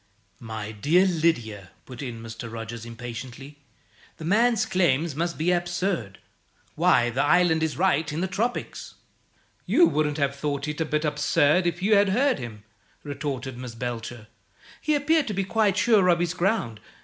"My dear Lydia," put in Mr. Rogers, impatiently, "the man's claim must be absurd. Why, the island is right in the tropics!" "You wouldn't have thought it a bit absurd if you had heard him," retorted Miss Belcher. "He appeared to be quite sure of his ground.